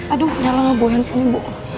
aduh nyala gak bu handphone nya bu